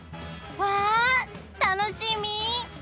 わあ楽しみ！